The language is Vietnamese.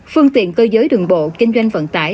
phương tiện cơ giới đường bộ kinh doanh vận tải